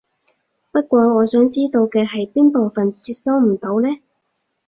不過我想知道嘅係邊部分接收唔到呢？